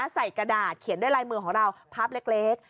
กระดาษเขียนด้วยลายมือของเราภาพเล็ก